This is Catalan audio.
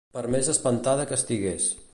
Per més espantada que estigués.